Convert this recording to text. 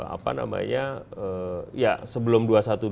apa namanya ya sebelum dua ratus dua belas